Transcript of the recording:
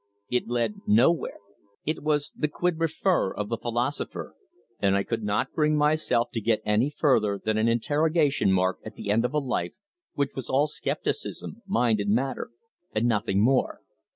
It led nowhere. It was the 'quid refert' of the philosopher, and I could not bring myself to get any further than an interrogation mark at the end of a life which was all scepticism, mind and matter, and nothing more.